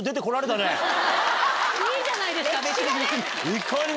いいじゃないですか、別に。